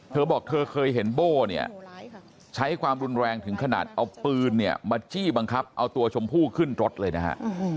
เธอบอกเธอเคยเห็นโบ้เนี่ยใช้ความรุนแรงถึงขนาดเอาปืนเนี่ยมาจี้บังคับเอาตัวชมพู่ขึ้นรถเลยนะฮะ